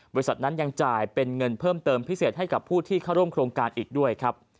บริษัทนั้นยังจ่ายเป็นเงินเพิ่มเติมพิเศษให้กับผู้ที่เข้าร่วมโครงการอีกด้วยครับ